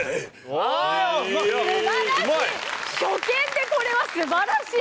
初見でこれは素晴らしい！